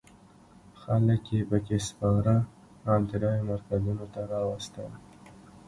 خلک یې په کې سپاره او د رایو مرکزونو ته راوستل.